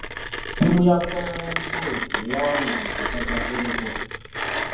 Ttiimu ya Buganda Land Board y'eyawangudde empaka za Volley Ball.